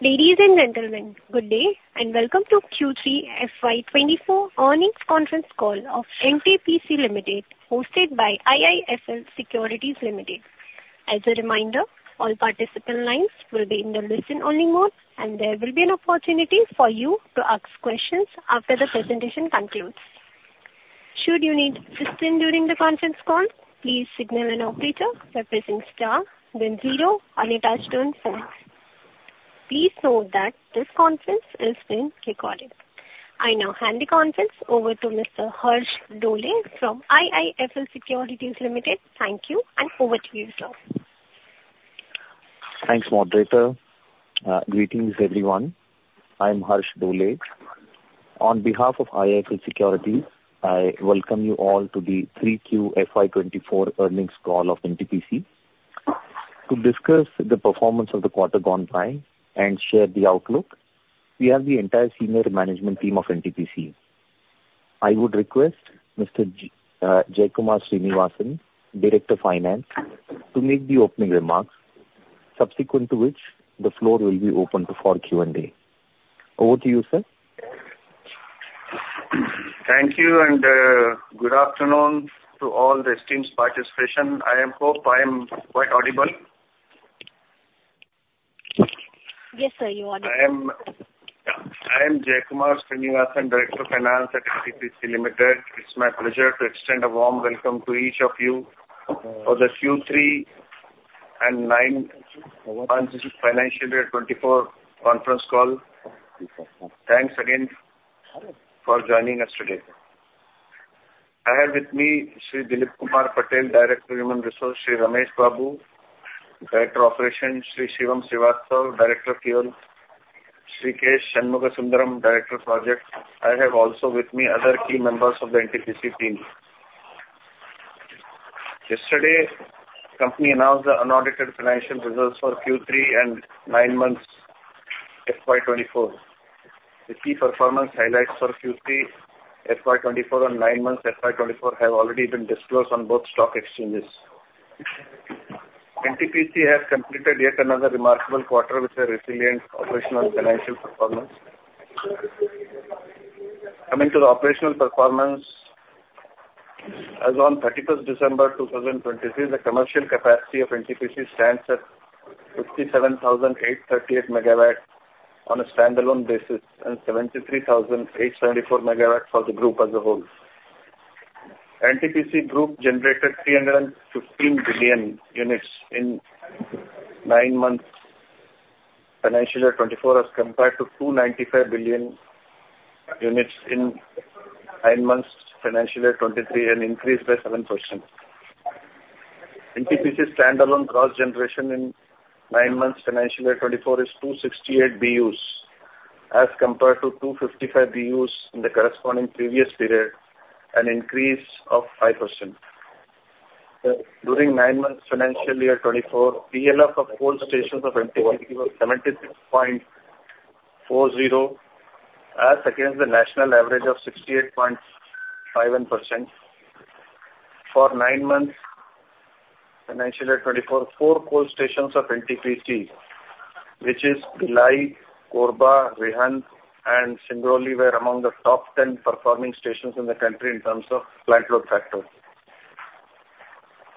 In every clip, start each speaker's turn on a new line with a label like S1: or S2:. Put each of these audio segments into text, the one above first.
S1: Ladies and gentlemen, good day, and welcome to Q3 FY 2024 earnings conference call of NTPC Limited, hosted by IIFL Securities Limited. As a reminder, all participant lines will be in the listen-only mode, and there will be an opportunity for you to ask questions after the presentation concludes. Should you need assistance during the conference call, please signal an operator by pressing star, then zero, and pound four. Please note that this conference is being recorded. I now hand the conference over to Mr. Harsh Dole from IIFL Securities Limited. Thank you, and over to you, sir.
S2: Thanks, moderator. Greetings, everyone. I'm Harsh Dole. On behalf of IIFL Securities, I welcome you all to the 3Q FY 2024 earnings call of NTPC. To discuss the performance of the quarter gone by and share the outlook, we have the entire senior management team of NTPC. I would request Mr. J. Jaikumar Srinivasan, Director of Finance, to make the opening remarks, subsequent to which, the floor will be open for Q&A. Over to you, sir.
S3: Thank you, and good afternoon to all the esteemed participants. I hope I am quite audible?
S1: Yes, sir, you are audible.
S3: I am, I am Jaikumar Srinivasan, Director of Finance at NTPC Limited. It's my pleasure to extend a warm welcome to each of you for the Q3 and nine months financial year 2024 conference call. Thanks again for joining us today. I have with me Shri Dillip Kumar Patel, Director, Human Resource, Shri Ramesh Babu, Director, Operations, Shri Shivam Srivastava, Director, Fuel, Shri K. Shanmugasundaram, Director, Projects. I have also with me other key members of the NTPC team. Yesterday, company announced the unaudited financial results for Q3 and nine months FY 2024. The key performance highlights for Q3 FY 2024 and nine months FY 2024 have already been disclosed on both stock exchanges. NTPC has completed yet another remarkable quarter with a resilient operational financial performance. Coming to the operational performance, as on 31 December 2023, the commercial capacity of NTPC stands at 57,838 MW on a standalone basis, and 73,874 MW for the group as a whole. NTPC group generated 315 billion units in nine months, financial year 2024, as compared to 295 billion units in nine months, financial year 2023, an increase by 7%. NTPC standalone gross generation in nine months, financial year 2024, is 268 BUs, as compared to 255 BUs in the corresponding previous period, an increase of 5%. During nine months, financial year 2024, PLF of coal stations of NTPC was 76.40, as against the national average of 68.51%. For nine months, financial year 2024, four coal stations of NTPC, which is Bhilai, Korba, Rihand and Singrauli, were among the top 10 performing stations in the country in terms of plant load factor.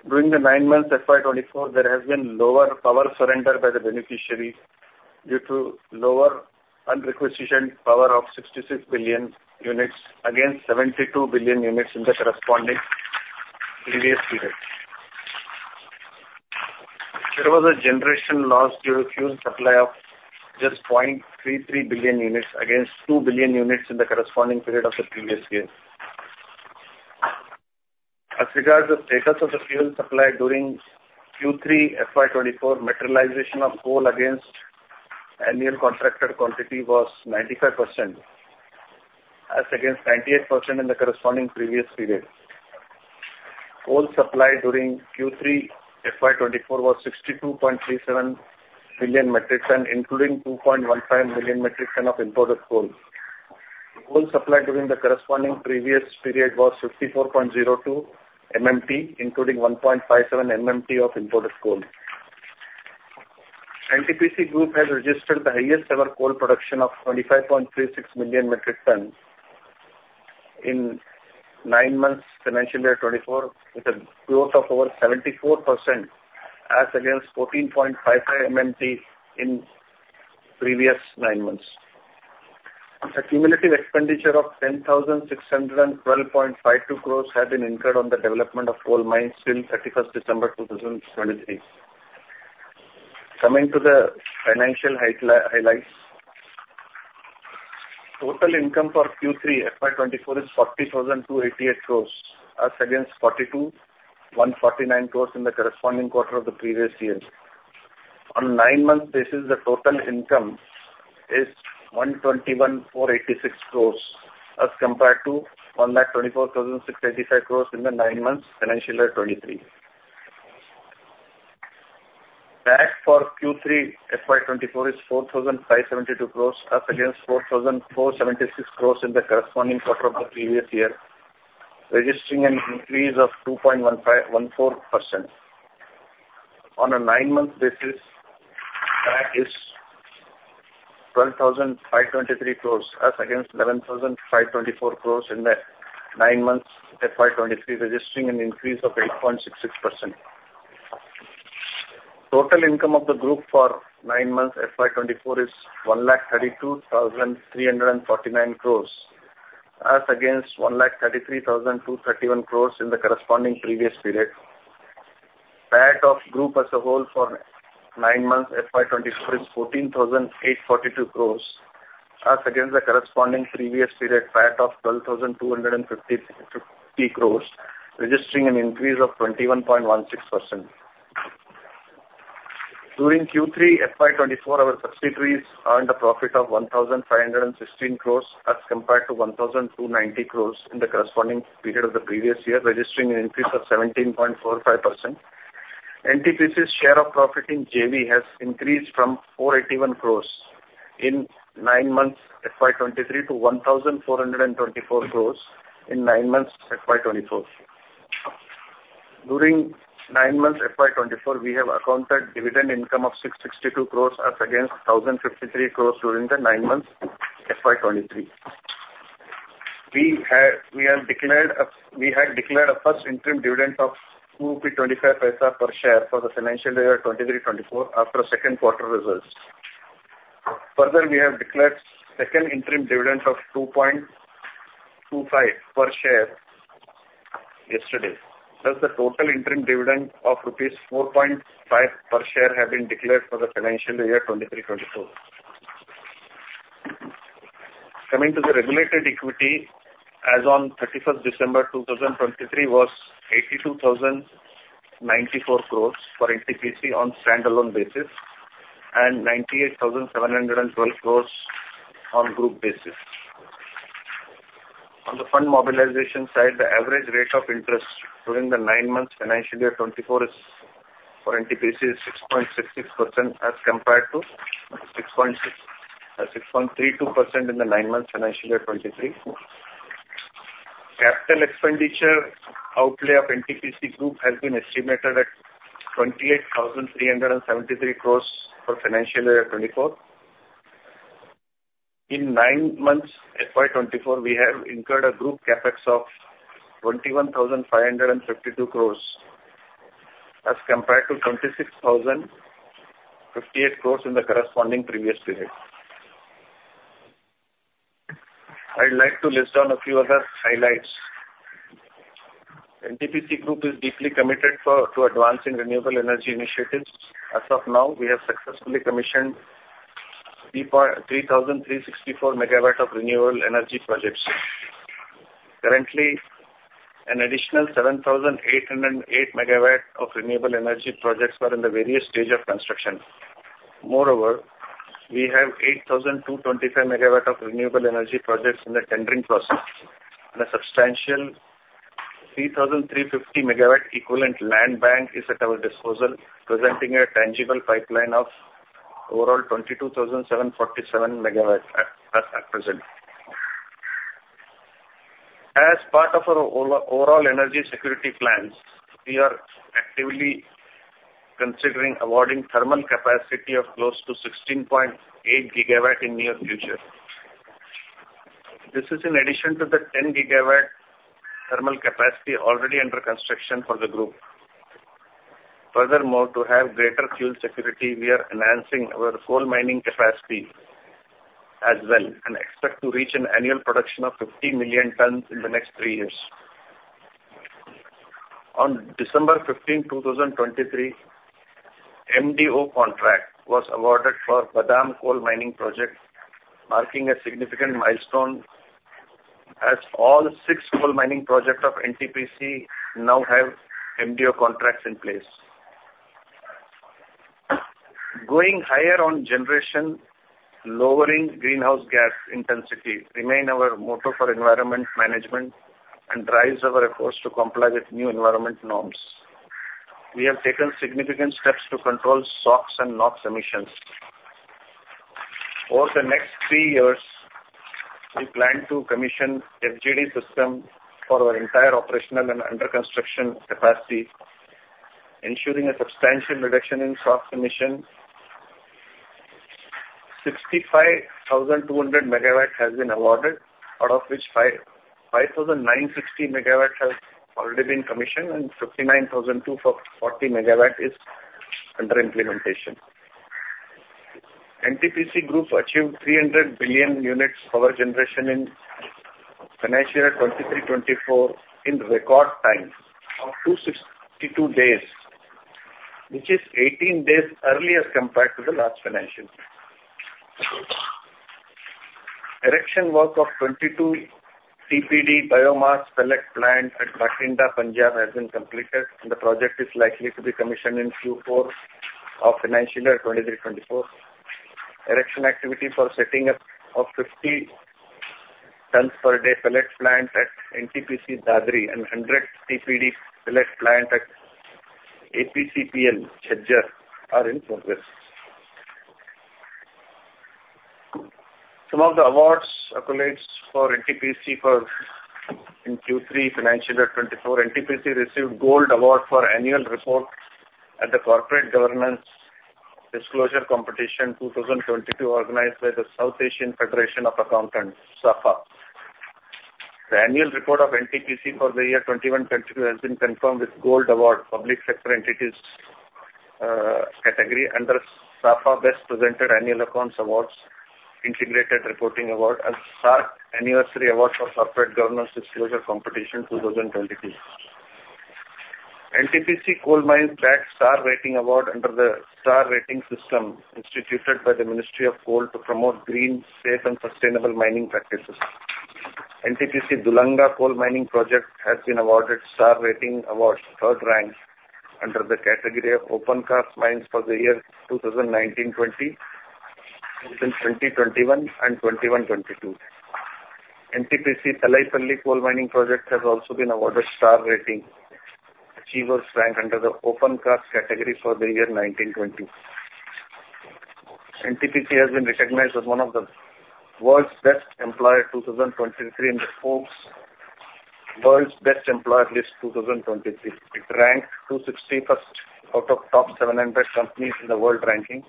S3: During the nine months, FY 2024, there has been lower power surrender by the beneficiaries due to lower un-requisitioned power of 66 billion units, against 72 billion units in the corresponding previous period. There was a generation loss due to fuel supply of just 0.33 billion units against 2 billion units in the corresponding period of the previous year. As regards the status of the fuel supply during Q3 FY 2024, materialization of coal against annual contracted quantity was 95%, as against 98% in the corresponding previous period. Coal supply during Q3 FY 2024 was 62.37 million metric tons, including 2.15 million metric tons of imported coal. The coal supply during the corresponding previous period was 54.02 MMT, including 1.57 MMT of imported coal. NTPC Group has registered the highest ever coal production of 25.36 million metric tons in nine months, FY 2024, with a growth of over 74% as against 14.55 MMT in previous nine months. A cumulative expenditure of 10,612.52 crore has been incurred on the development of coal mines till 31 December 2023. Coming to the financial highlights. Total income for Q3 FY 2024 is 40,288 crore, as against 42,149 crore in the corresponding quarter of the previous year. On nine months basis, the total income is 1,21,486 crore, as compared to 1,24,685 crore in the nine months, financial year 2023. Tax for Q3 FY 2024 is 4,572 crore, up against 4,476 crore in the corresponding quarter of the previous year, registering an increase of 2.15%. On a nine-month basis, that is 12,523 crore as against 11,524 crore in the nine months FY 2023, registering an increase of 8.66%. Total income of the group for nine months, FY 2024, is 1,32,349 crore, as against 1,33,231 crore in the corresponding previous period. PAT of group as a whole for nine months, FY 2024, is 14,842 crore, as against the corresponding previous period PAT of 12,255 crore, registering an increase of 21.16%. During Q3 FY 2024, our subsidiaries earned a profit of 1,516 crore, as compared to 1,290 crore in the corresponding period of the previous year, registering an increase of 17.45%. NTPC's share of profit in JV has increased from 481 crore in nine months FY 2023 to 1,424 crore in nine months FY 2024. During nine months FY 2024, we have accounted dividend income of 662 crore, as against 1,053 crore during the nine months FY 2023. We had declared a first interim dividend of 0.25 per share for the financial year 2023 to 24 after second quarter results. Further, we have declared second interim dividend of 2.25 per share yesterday. Thus, the total interim dividend of rupees 4.5 per share has been declared for the financial year 2023 to 24. Coming to the regulated equity, as on 31 December 2023, was 82,094 crore for NTPC on standalone basis, and 98,712 crore on group basis. On the fund mobilization side, the average rate of interest during the nine months, financial year 2024, is for NTPC 6.66%, as compared to 6.32% in the nine months, financial year 2023. Capital expenditure outlay of NTPC group has been estimated at 28,373 crore for financial year 2024. In nine months, FY 2024, we have incurred a group CapEx of 21,552 crore, as compared to 26,058 crore in the corresponding previous period. I'd like to list down a few other highlights. NTPC Group is deeply committed to advancing renewable energy initiatives. As of now, we have successfully commissioned 3,364 MW of renewable energy projects. Currently, an additional 7,808 MW of renewable energy projects are in the various stage of construction. Moreover, we have 8,225 MW of renewable energy projects in the tendering process, and a substantial 3,350 MW equivalent land bank is at our disposal, presenting a tangible pipeline of overall 22,747 MW as at present. As part of our overall energy security plans, we are actively considering awarding thermal capacity of close to 16.8 GW in near future. This is in addition to the 10 GW thermal capacity already under construction for the group. Furthermore, to have greater fuel security, we are enhancing our coal mining capacity as well, and expect to reach an annual production of 50 million tons in the next three years. On December 15, 2023, MDO contract was awarded for Badam coal mining project, marking a significant milestone as all six coal mining projects of NTPC now have MDO contracts in place. Going higher on generation, lowering greenhouse gas intensity remain our motto for environment management and drives our efforts to comply with new environment norms. We have taken significant steps to control SOx and NOx emissions. Over the next three years, we plan to commission FGD system for our entire operational and under construction capacity, ensuring a substantial reduction in SOx emission. 65,200 MW has been awarded, out of which 5,596 MW has already been commissioned and 59,240 MW is under implementation. NTPC Group achieved 300 billion units power generation in financial year 2023 to 24 in record time of 262 days, which is 18 days earlier compared to the last financial year. Erection work of 22 TPD biomass pellet plant at Bathinda, Punjab, has been completed, and the project is likely to be commissioned in Q4 of financial year 2023 to 24. Erection activity for setting up of 50 tons per day pellet plant at NTPC, Dadri, and 100 TPD pellet plant at APCPL, Jhajjar, are in progress. Some of the awards accolades for NTPC in Q3 financial year 2024, NTPC received Gold Award for Annual Report at the Corporate Governance Disclosure Competition 2022, organized by the South Asian Federation of Accountants, SAFA. The annual report of NTPC for the year 2021 to 22 has been confirmed with Gold Award, public sector entities category under SAFA Best Presented Annual Accounts Awards, Integrated Reporting Award, and SAARC Anniversary Award for Corporate Governance Disclosure Competition 2022. NTPC Coal Mining bagged Star Rating Award under the Star Rating System, instituted by the Ministry of Coal to promote green, safe, and sustainable mining practices. NTPC Dulanga Coal Mining Project has been awarded Star Rating Award, third rank, under the category of Open Cast Mines for the year 2019 to 20, 2020 to 21, and 2021 to 22. NTPC Talaipalli Coal Mining Project has also been awarded Star Rating Achievers Rank under the Open Cast category for the year 2019 to 20. NTPC has been recognized as one of the world's best employer 2023 in the Forbes World's Best Employer List 2023. It ranked 261st out of top 700 companies in the world ranking,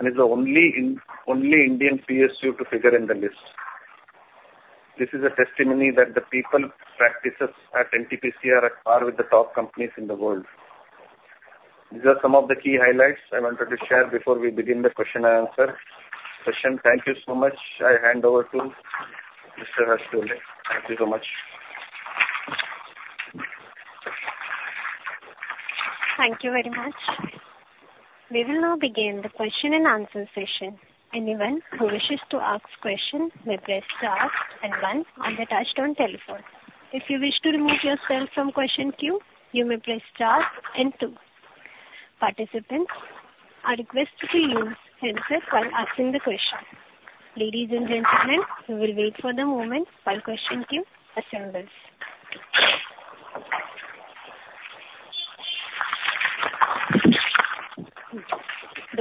S3: and is the only only Indian PSU to figure in the list. This is a testimony that the people practices at NTPC are at par with the top companies in the world. These are some of the key highlights I wanted to share before we begin the question and answer session. Thank you so much. I hand over to Mr. Harsh Vardhan. Thank you so much.
S1: Thank you very much. We will now begin the question and answer session. Anyone who wishes to ask questions may press star and one on their touchtone telephone. If you wish to remove yourself from question queue, you may press star and two. Participants, I request you to use headphones while asking the question. Ladies and gentlemen, we will wait for the moment while question queue assembles.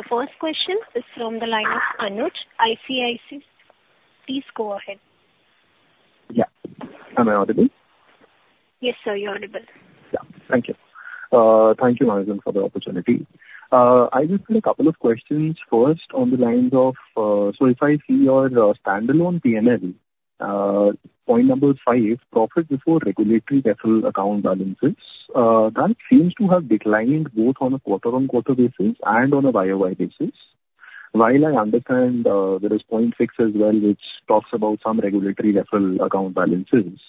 S1: The first question is from the line of Anuj, ICICI. Please go ahead.
S4: Yeah. Am I audible?
S1: Yes, sir, you're audible.
S4: Yeah. Thank you. Thank you, management, for the opportunity. I just have a couple of questions, first, on the lines of, so if I see your standalone P&L, point number five, profit before regulatory deferral account balances, that seems to have declined both on a quarter-on-quarter basis and on a YOY basis. While I understand, there is point six as well, which talks about some regulatory deferral account balances,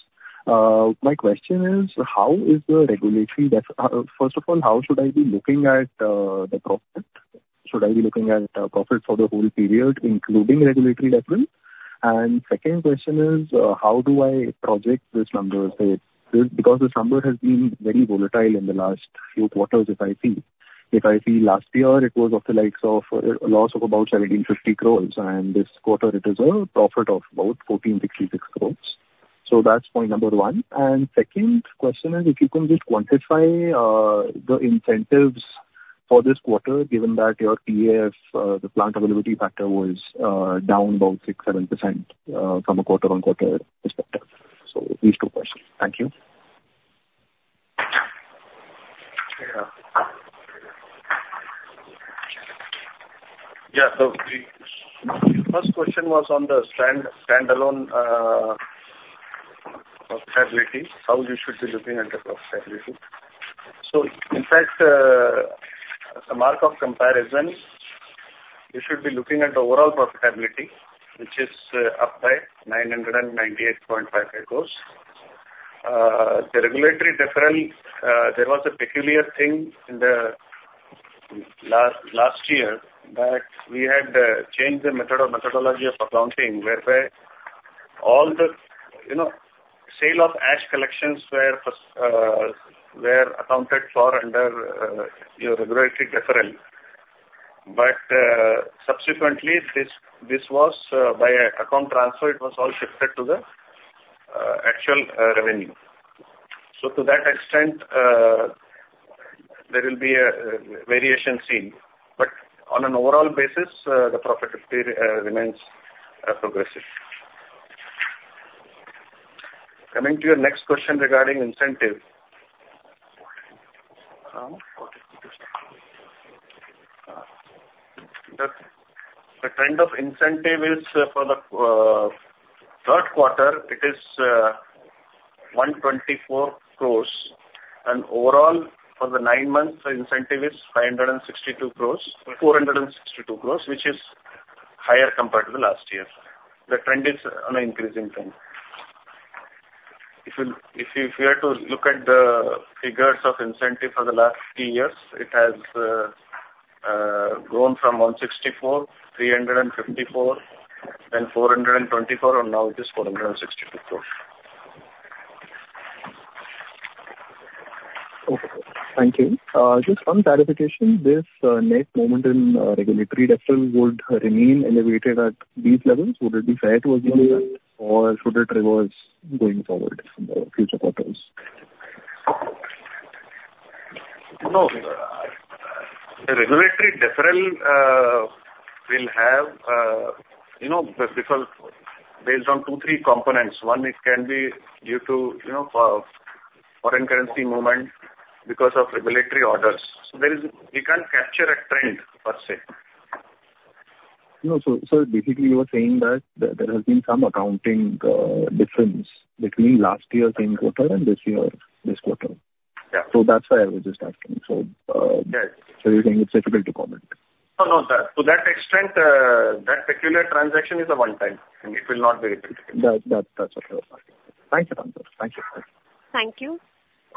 S4: my question is: How is the regulatory defer... First of all, how should I be looking at, the profit? Should I be looking at, profit for the whole period, including regulatory deferral? And second question is, how do I project this number? Because this number has been very volatile in the last few quarters if I see. If I see last year, it was of the likes of, a loss of about 1,750 crore, and this quarter it is a profit of about 1,466 crore. So that's point number one. And second question is, if you can just quantify, the incentives for this quarter, given that your PAF, the Plant Availability Factor, was, down about 6% to 7%, from a quarter-on-quarter perspective. So these two questions. Thank you.
S3: Yeah. Yeah. So the first question was on the standalone profitability, how you should be looking at the profitability. So in fact, as a mark of comparison, you should be looking at the overall profitability, which is up by 998.58 crores. The regulatory deferral, there was a peculiar thing in the last year, that we had changed the method of methodology of accounting, whereby all the, you know, sale of ash collections were accounted for under your regulatory deferral. But subsequently, this was by an account transfer, it was all shifted to the actual revenue. So to that extent, there will be a variation seen, but on an overall basis, the profitability remains progressive. Coming to your next question regarding incentive. The trend of incentive is for the third quarter, it is 124 crore, and overall, for the nine months, the incentive is 562 crore, 462 crore, which is higher compared to the last year. The trend is on an increasing trend. If you were to look at the figures of incentive for the last three years, it has grown from 164, 354, then 424, and now it is 462 crore.
S4: Okay. Thank you. Just one clarification, this net momentum, regulatory deferral would remain elevated at these levels. Would it be fair to assume that, or should it reverse going forward in the future quarters?...
S3: No, the regulatory deferral will have, you know, deferral based on two, three components. One, it can be due to, you know, foreign currency movement because of regulatory orders. So there is, we can't capture a trend per se.
S5: No. So basically you are saying that there has been some accounting difference between last year same quarter and this year, this quarter?
S3: Yeah.
S5: So that's why I was just asking. So,
S3: Yes.
S5: So you're saying it's difficult to comment?
S3: No, not that. To that extent, that particular transaction is a one time, and it will not be repeated.
S5: That, that's what I was asking. Thank you, sir. Thank you.
S1: Thank you.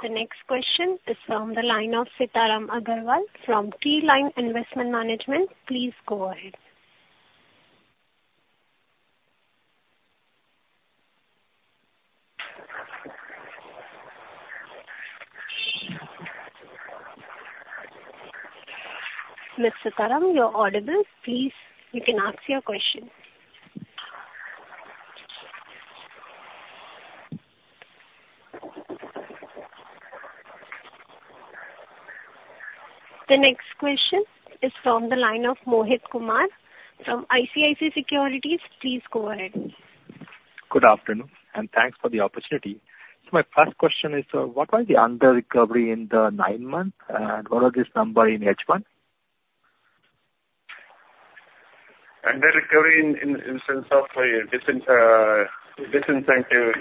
S1: The next question is from the line of Sitaram Agarwal from Keyline Investment Management. Please go ahead. Mr. Sitaram, you're audible. Please, you can ask your question. The next question is from the line of Mohit Kumar from ICICI Securities. Please go ahead.
S4: Good afternoon, and thanks for the opportunity. So my first question is, what was the under recovery in the nine months, and what was this number in H1?
S3: Under recovery in sense of disincentive,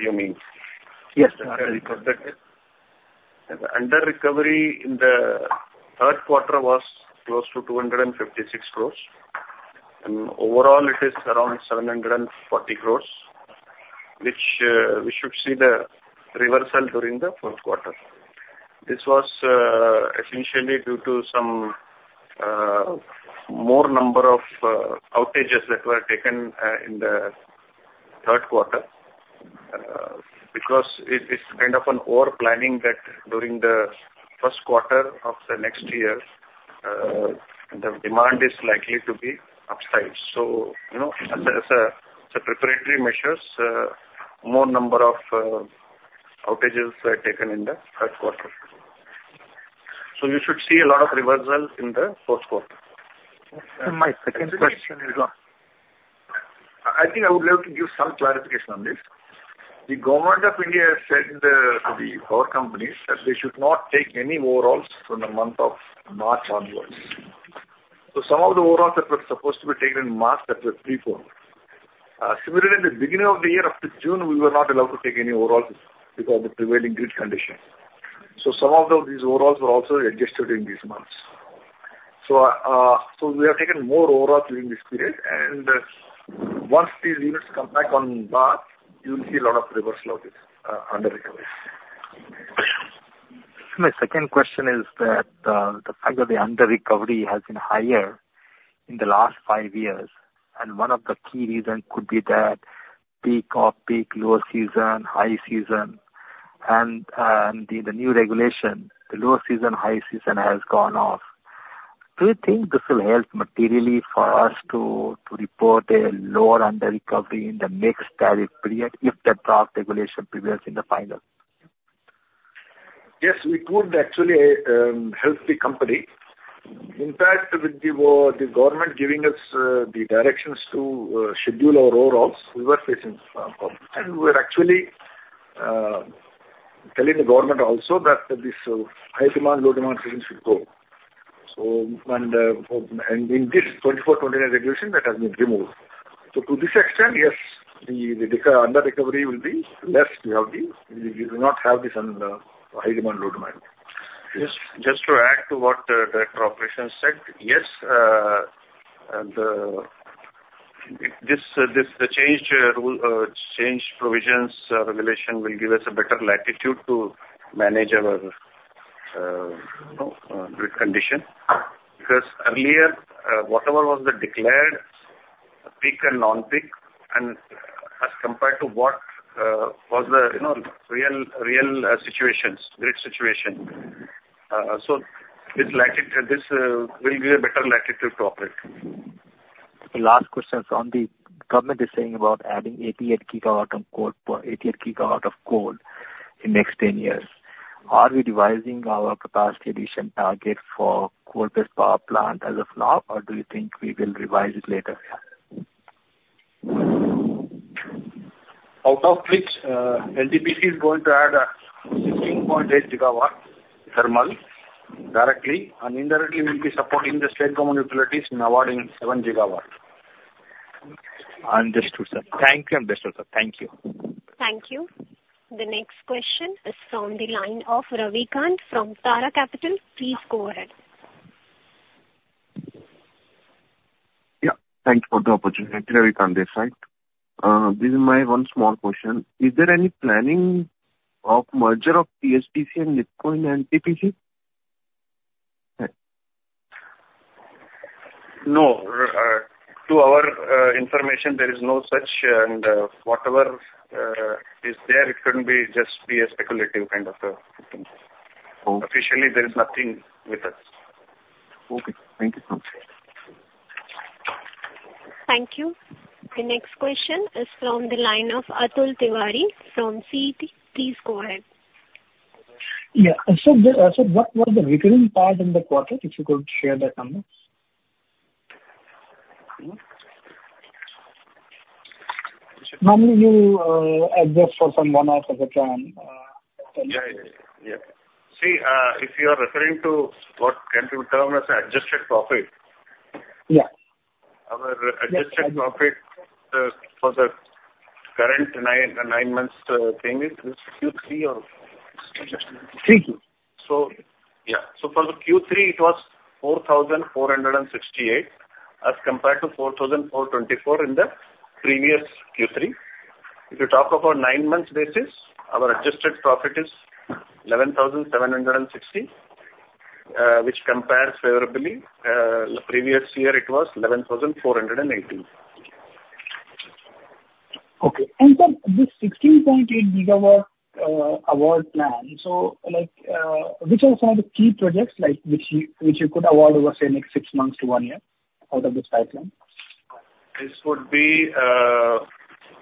S3: you mean?
S4: Yes.
S3: The under recovery in the third quarter was close to 256 crore. Overall, it is around 740 crore, which we should see the reversal during the fourth quarter. This was essentially due to some more number of outages that were taken in the third quarter. Because it's kind of an overplanning that during the first quarter of the next year, the demand is likely to be upside. So, you know, as a preparatory measures, more number of outages were taken in the third quarter. So you should see a lot of reversal in the fourth quarter.
S4: My second question is-
S3: I think I would like to give some clarification on this. The Government of India has said to the power companies that they should not take any overhauls from the month of March onwards. So some of the overhauls that were supposed to be taken in March that were preponed. Similarly, in the beginning of the year, up to June, we were not allowed to take any overhauls because of the prevailing grid conditions. So some of those, these overhauls were also adjusted in these months. So we have taken more overhauls during this period. And once these units come back on board, you'll see a lot of reversal of this under recovery.
S4: My second question is that the fact that the under recovery has been higher in the last five years, and one of the key reasons could be that peak, off peak, low season, high season, and the new regulation, the low season, high season has gone off. Do you think this will help materially for us to report a lower under recovery in the next tariff period if the draft regulation prevails in the final?
S3: Yes, it would actually help the company. In fact, with the government giving us the directions to schedule our overhauls, we were facing some problems. And we're actually telling the government also that this high demand, low demand season should go. So and in this 2024 to 2029 regulation, that has been removed. So to this extent, yes, the under recovery will be less healthy. We do not have this high demand, low demand. Yes, just to add to what the Director of Operations said, yes, the this, the changed rule, changed provisions, regulation will give us a better latitude to manage our you know grid condition. Because earlier, whatever was the declared peak and non-peak, and as compared to what was the, you know, real grid situations. So this will give a better latitude to operate.
S4: The last question is on the government is saying about adding 88 gigawatt of coal, 88 gigawatt of coal in next 10 years. Are we revising our capacity addition target for coal-based power plant as of now, or do you think we will revise it later?
S3: Out of which, NTPC is going to add 16.8 GW thermal directly. And indirectly, we'll be supporting the state government utilities in awarding 7 GW.
S4: Understood, sir. Thank you. Understood, sir. Thank you.
S1: Thank you. The next question is from the line of Ravikant from Tara Capital. Please go ahead.
S5: Yeah, thank you for the opportunity, Ravikant Desai. This is my one small question: Is there any planning of merger of NHPC and NTPC and NTPC?
S3: No. To our information, there is no such, and whatever is there, it couldn't be, just be a speculative kind of a thing.
S5: Okay.
S3: Officially, there is nothing with us.
S5: Okay, thank you so much....
S1: Thank you. The next question is from the line of Atul Tiwari from Citi. Please go ahead.
S6: Yeah. So, what was the recurring part in the quarter? If you could share that number. Normally, you adjust for some one-off as a term.
S3: Yeah, yeah. See, if you are referring to what can be termed as adjusted profit-
S6: Yeah.
S3: Our adjusted profit for the current nine months thing is Q3 or-
S6: Q3.
S3: So yeah. So for the Q3, it was 4,468, as compared to 4,424 in the previous Q3. If you talk about nine months basis, our adjusted profit is 11,760, which compares favorably. Previous year, it was 11,480.
S6: Okay. For this 16.8 gigawatt award plan, so like, which are some of the key projects like which you, which you could award over, say, next six months to one year out of this pipeline?
S3: This would be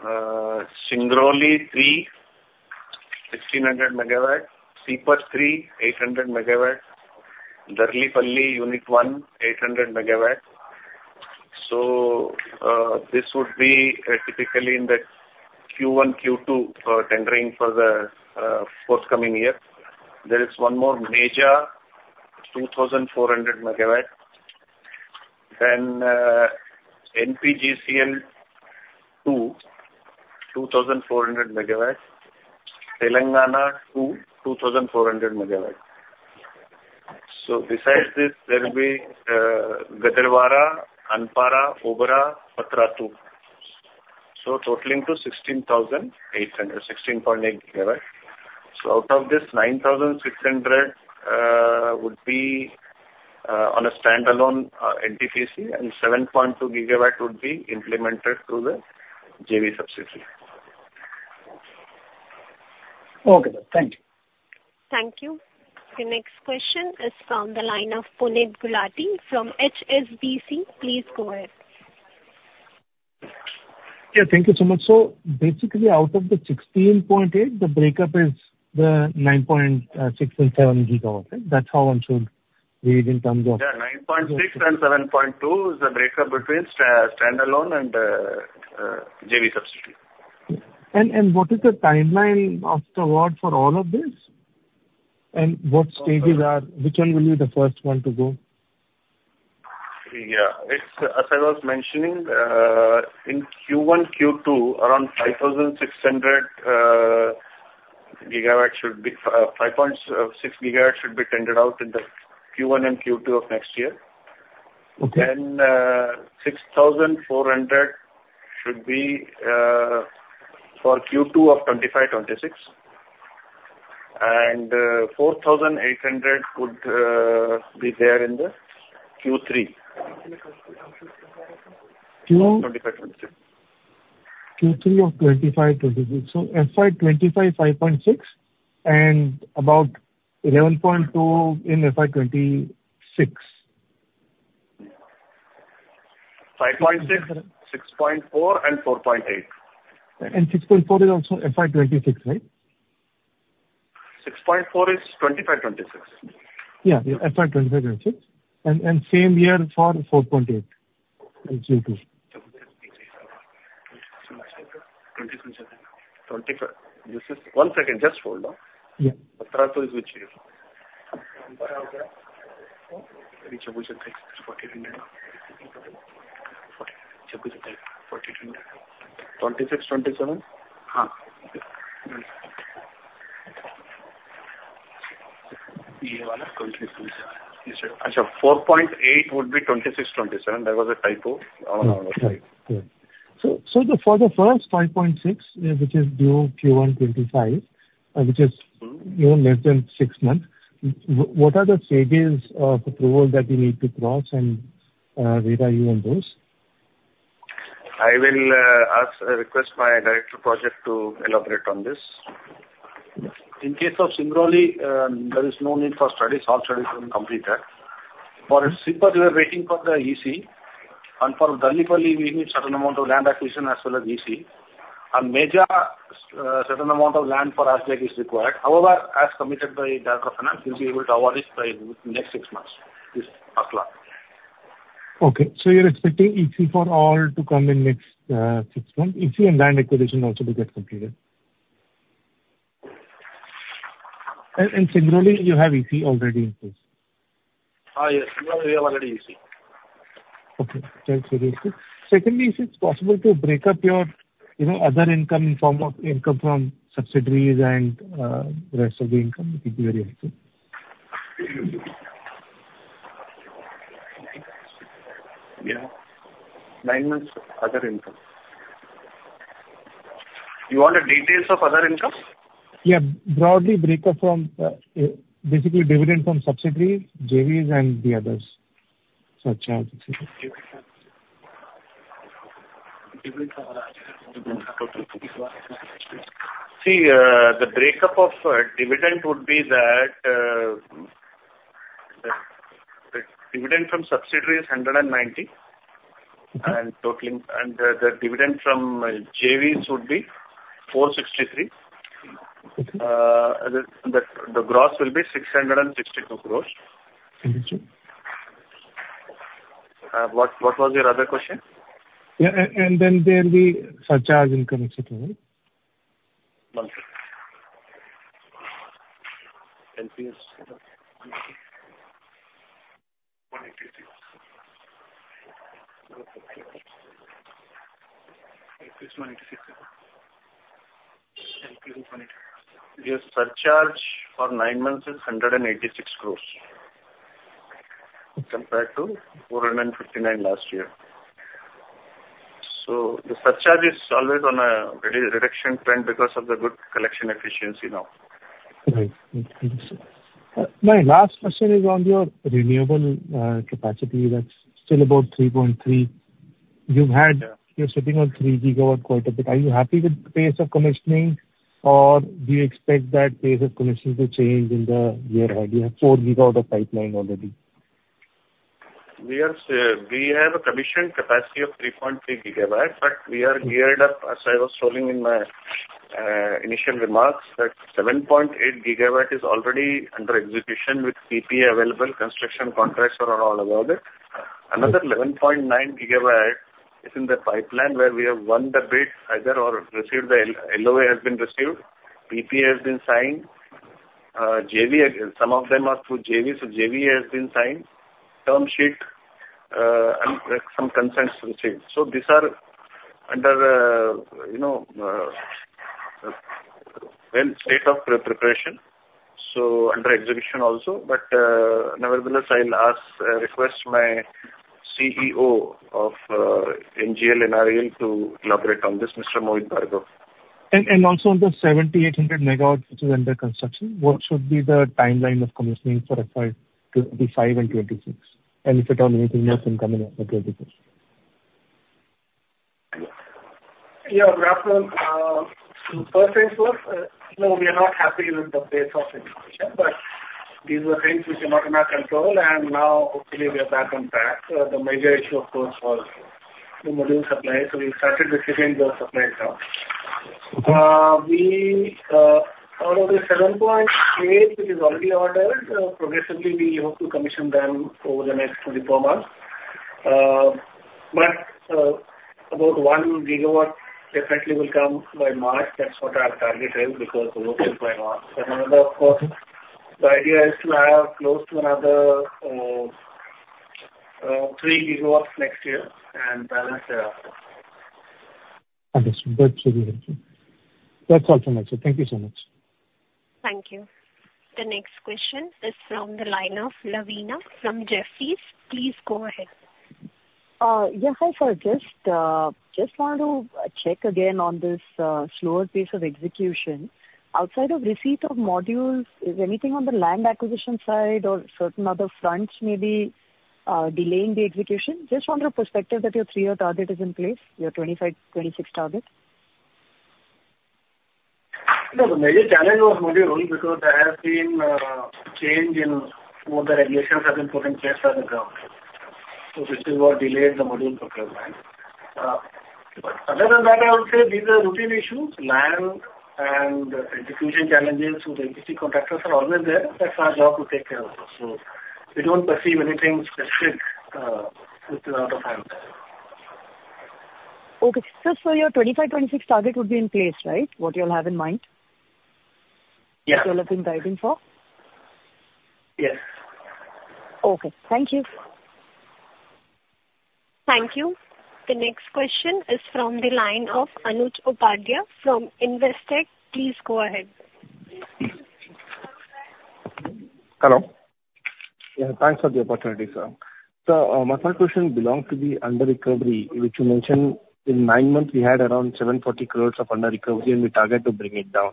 S3: Singrauli Three, 1,600 MW, Sipat Three, 800 MW, Darlipali Unit One, 800 MW. So this would be typically in the Q1, Q2 tendering for the forthcoming year. There is one more, Meja, 2,400 MW, then NPGCL Two, 2,400 MW, Telangana Two, 2,400 MW. So besides this, there will be Gadarwara, Anpara, Obra, Patratu. So totaling to 16,800, 16.8 GW. So out of this, 9,600 would be on a standalone NTPC, and 7.2 GW would be implemented through the JV subsidiary.
S6: Okay, thank you.
S1: Thank you. The next question is from the line of Puneet Gulati from HSBC. Please go ahead.
S7: Yeah, thank you so much. So basically, out of the 16.8, the breakup is the 9.6 and 7 GW, right? That's how one should read in terms of-
S3: Yeah, 9.6 and 7.2 is the breakup between standalone and JV subsidiary.
S7: And what is the timeline of the award for all of this? And what stages are... Which one will be the first one to go?
S3: Yeah, it's, as I was mentioning, in Q1, Q2, around 5,600 gigawatts should be 5.6 GW should be tendered out in the Q1 and Q2 of next year.
S7: Okay.
S3: 6,400 should be for Q2 of 25 to 26. 4,800 could be there in the Q3.
S7: Q?
S3: Twenty-five, twenty-six.
S7: Q3 of 2025, 2026. So FY 2025, 5.6, and about 11.2 in FY 2026.
S3: 5.6, 6.4, and 4.8.
S7: 6.4 is also FY 2026, right?
S3: 6.4 is 25, 26.
S7: Yeah, yeah, FY 2025, 2026. And, and same year for 4.8 in Q2.
S3: 25. This is... One second, just hold on.
S7: Yeah.
S3: Which is which year? 42. 42. 26, 27? Huh. Acha, 4.8 would be 2026, 2027. There was a typo on our side.
S7: Right. Good. So, for the first 5.6, which is due Q1 2025, you know, which is less than six months, what are the stages of approval that you need to cross and where are you on those?
S3: I will ask request my Director Project to elaborate on this.
S8: In case of Singrauli, there is no need for studies. All studies have been completed. For Sipat, we are waiting for the EC, and for Darlipali, we need certain amount of land acquisition as well as EC. And Meja, certain amount of land for R&R is required. However, as committed by Director of Finance, we'll be able to award this by next six months, this last lap.
S7: Okay, so you're expecting EC for all to come in next six months, EC and land acquisition also to get completed? And Singrauli, you have EC already in place.
S8: Yes, we have already EC.
S7: Okay, that's really good. Secondly, is it possible to break up your, you know, other income in form of income from subsidiaries and rest of the income, it'd be very helpful.
S3: Yeah.
S8: 9 months other income.
S3: You want the details of other income?
S7: Yeah, broadly break up from, basically dividend from subsidiaries, JVs, and the others. Such as-
S8: Dividend.
S3: See, the breakup of dividend would be that. The dividend from subsidiary is 190 crore, and the dividend from JVs would be 463 crore. The gross will be 662 crore.
S7: Thank you, sir.
S3: What was your other question?
S7: Yeah, and then there will be surcharge in commission, right?
S3: One second. NPS. 186.
S7: It is 186, sir.
S3: The surcharge for nine months is 186 crore, compared to 459 crore last year. So the surcharge is always on a real reduction trend because of the good collection efficiency now.
S7: Right. Thank you, sir. My last question is on your renewable capacity that's still about 3.3. You're sitting on 3 GW quite a bit. Are you happy with the pace of commissioning, or do you expect that pace of commissioning to change in the year ahead? You have 4 GW of pipeline already.
S3: We are, we have a commissioned capacity of 3.3 GW, but we are geared up, as I was telling in my initial remarks, that 7.8 GW is already under execution with PPA available, construction contracts are all about it. Another 11.9 GW is in the pipeline, where we have won the bid either or received the LOA has been received, PPA has been signed, JV. Some of them are through JV, so JV has been signed, term sheet, and some consents received. So these are under, you know, in state of pre-preparation, so under execution also. But, nevertheless, I'll ask, request my CEO of NGEL and REL to elaborate on this, Mr. Mohit Bhargava.
S7: Also, on the 7,800 MW, which is under construction, what should be the timeline of commissioning for FY 25 and 26, and if at all anything else can come in at 26?
S8: Yeah, Rahul, the first thing first, no, we are not happy with the pace of execution, but these are things which are not in our control, and now hopefully we are back on track. The major issue, of course, was the module supply, so we started receiving the supply now. We, out of the 7.8, which is already ordered, progressively we hope to commission them over the next 24 months. But, about 1 GW definitely will come by March. That's what our target is, because. And another, of course, the idea is to have close to another, three GW next year and balance thereafter.
S7: Understood. That's really helpful. That's all from my side. Thank you so much.
S1: Thank you. The next question is from the line of Lavina from Jefferies. Please go ahead.
S9: Yeah. Hi, sir. Just wanted to check again on this slower pace of execution. Outside of receipt of modules, is anything on the land acquisition side or certain other fronts maybe delaying the execution? Just from your perspective that your three-year target is in place, your 2025, 2026 target.
S8: No, the major challenge was module, because there has been change in what the regulations have been put in place by the government. So this is what delayed the module procurement. But other than that, I would say these are routine issues. Land and execution challenges with EPC contractors are always there. That's our job to take care of those. So we don't perceive anything specific, which is out of hand.
S9: Okay. Just so your 2025, 2026 target would be in place, right? What you all have in mind?
S8: Yes.
S9: You all have been guiding for?
S8: Yes.
S9: Okay. Thank you.
S1: Thank you. The next question is from the line of Anuj Upadhyay from Investec. Please go ahead.
S10: Hello. Yeah, thanks for the opportunity, sir. So, my first question belongs to the under recovery, which you mentioned in nine months, we had around 740 crore of under recovery, and we target to bring it down.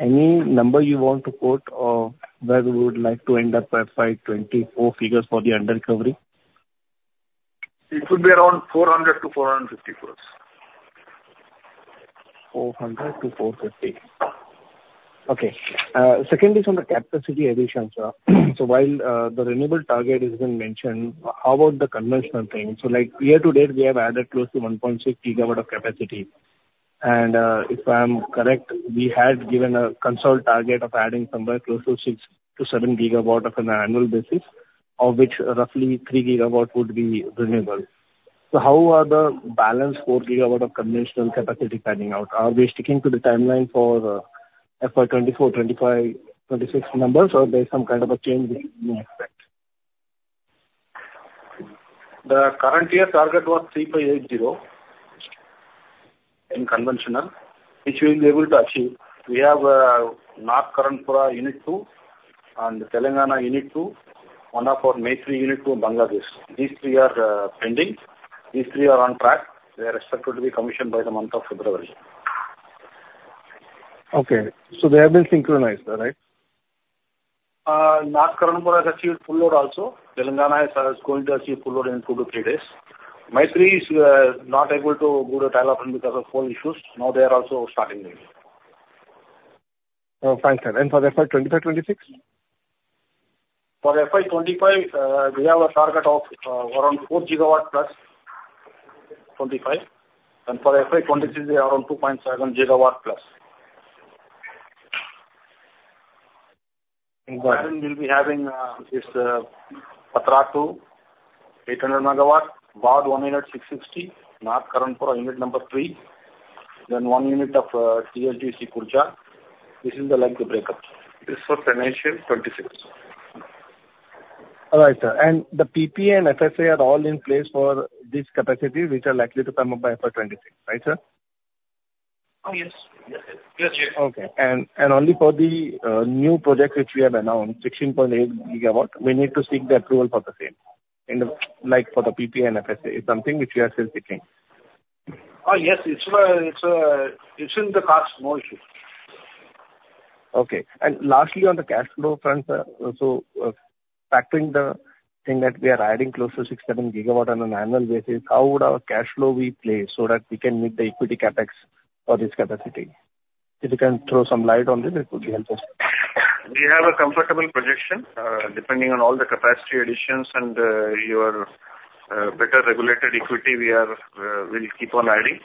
S10: Any number you want to quote or where we would like to end up by FY 2024 figures for the under recovery?
S8: It would be around 400 crore to 450 crore.
S10: 400 to 450. Okay. Secondly, on the capacity addition, sir. So while the renewable target has been mentioned, how about the conventional thing? So, like, year to date, we have added close to 1.6 GW of capacity. And if I'm correct, we had given a consult target of adding somewhere close to 6 to 7 GW on an annual basis, of which roughly 3 GW would be renewable. So how are the balanced 4 GW of conventional capacity panning out? Are we sticking to the timeline for FY 2024, 2025, 2026 numbers, or there's some kind of a change we may expect?
S3: The current year target was 3,580 in conventional, which we'll be able to achieve. We have, North Karanpura Unit 2 and Telangana Unit 2, one of our Maitree Unit 2 in Bangladesh. These three are pending. These three are on track. They are expected to be commissioned by the month of February.
S10: Okay. So they have been synchronized, right?
S8: North Karanpura has achieved full load also. Telangana is going to achieve full load in two to three days. Maitree is not able to go to trial op because of coal issues. Now they are also starting it....
S10: Oh, thanks, sir. And for FY 25, 26?
S3: For FY 2025, we have a target of around 4 GW+, and for FY 2026, around 2.7 GW+.
S10: Inaudible.
S3: We'll be having this Patratu 2, 800 MW, Barh 1 unit 660, North Karanpura unit number three, then 1 unit of THDC Khurja. This is the likely breakup. This is for financial 2026.
S10: All right, sir. And the PP and FSA are all in place for these capacities, which are likely to come up by FY 2026. Right, sir?
S3: Oh, yes. Yes, yes.
S10: Okay. And only for the new project which we have announced, 16.8 gigawatt, we need to seek the approval for the same, in the like for the PP and FSA is something which we are still seeking.
S3: Oh, yes, it's in the cost model.
S10: Okay. Lastly, on the cash flow front, so, factoring the thing that we are adding close to 6 to 7 gigawatt on an annual basis, how would our cash flow be placed so that we can meet the equity CapEx for this capacity? If you can throw some light on this, it would be helpful.
S3: We have a comfortable projection, depending on all the capacity additions and, your, better regulated equity, we are, we'll keep on adding.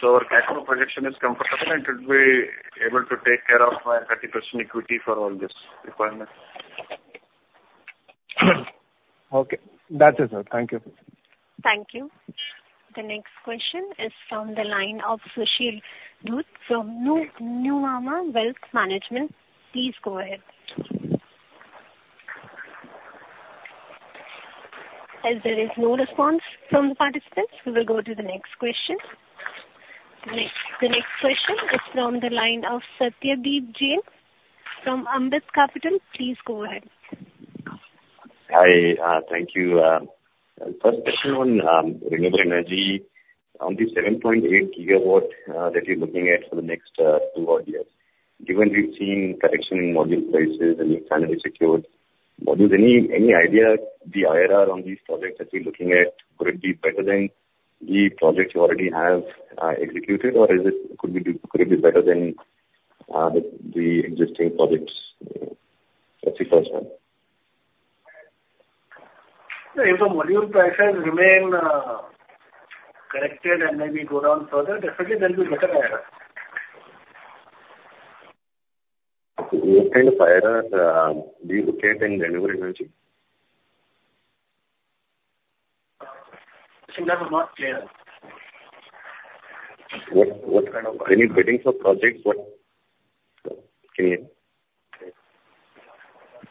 S3: So our cash flow projection is comfortable, and it will be able to take care of my 30% equity for all this requirement.
S10: Okay. That is it. Thank you.
S1: Thank you. The next question is from the line of Sushil Dutt from Nuvama Wealth Management. Please go ahead. As there is no response from the participants, we will go to the next question. The next question is from the line of Satyadeep Jain from Ambit Capital. Please go ahead.
S11: Hi, thank you. First question on renewable energy. On the 7.8 GW that you're looking at for the next two odd years, given we've seen correction in module prices and you've finally secured modules, any idea the IRR on these projects that you're looking at, would it be better than the projects you already have executed? Or is it, could it be better than the existing projects? That's the first one.
S3: If the module prices remain corrected and maybe go down further, definitely there will be better IRR.
S11: What kind of IRR do you look at in renewable energy?
S3: Sorry, that was not clear.
S11: What, what kind of... Are you bidding for projects? What?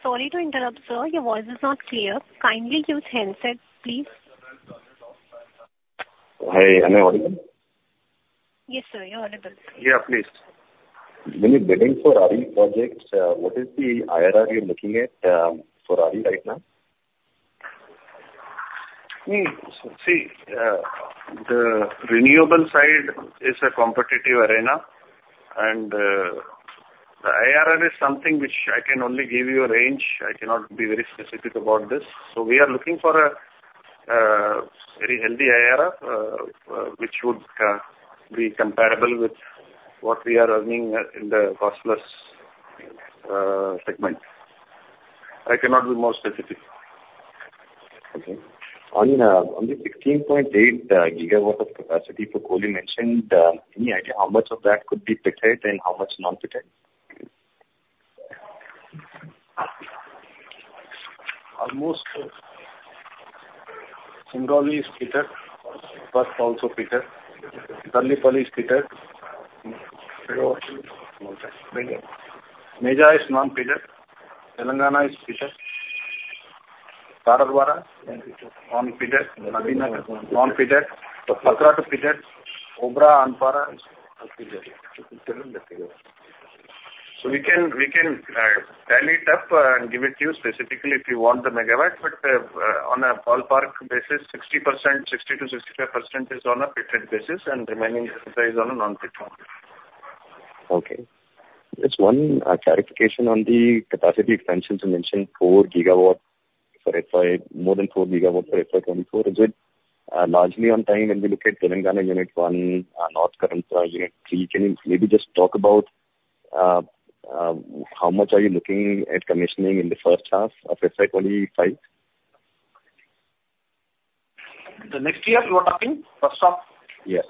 S1: Sorry to interrupt, sir. Your voice is not clear. Kindly use handset, please.
S11: Hi, am I audible?
S1: Yes, sir, you're audible.
S3: Yeah, please.
S11: Any bidding for RV projects, what is the IRR you're looking at, for RV right now?
S3: See, the renewable side is a competitive arena, and the IRR is something which I can only give you a range. I cannot be very specific about this. So we are looking for a very healthy IRR, which would be comparable with what we are earning in the cost plus segment. I cannot be more specific.
S11: Okay. On the 16.8 gigawatt of capacity probably mentioned, any idea how much of that could be pit-head and how much non-pit-head?
S3: Almost Singrauli is pit-head, Barh also pit-head, Darlipali is pit-head. Meja is non-pit-head. Telangana is pit-head. Gadarwara non-pit-head. Nabinagar, non-pit-head. Patratu pit-head. Obra and Anpara are pit-head. So we can, we can, tally it up, and give it to you specifically if you want the megawatt, but, on a ballpark basis, 60%, 60% to 65% is on a pit-head basis and remaining is on a non-pit-head.
S11: Okay. Just one clarification on the capacity extensions. You mentioned 4 GW for FY... More than 4 GW for FY 2024. Is it largely on time when we look at Telangana unit 1, North Karanpura unit 3? Can you maybe just talk about how much are you looking at commissioning in the first half of FY 2025?
S3: The next year you are talking, first half?
S11: Yes.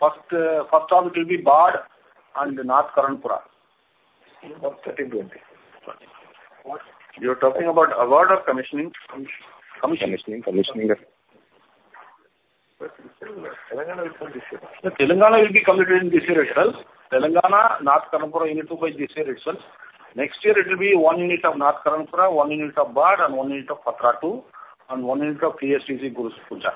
S3: First half, it will be Barh and North Karanpura.
S11: You are talking about award or commissioning?
S3: Commissioning.
S11: Commissioning, commissioning.
S3: Telangana will be completed in this year itself. Telangana, North Karanpura unit 2 by this year itself. Next year, it will be 1 unit of North Karanpura, 1 unit of Barh, and 1 unit of Patratu 2, and 1 unit of THDC Khurja.